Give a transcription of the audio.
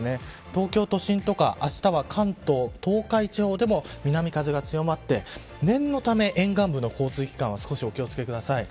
東京都心とかあしたは関東、東海地方でも南風が強まって念のため沿岸部の交通機関は少しお気を付けください。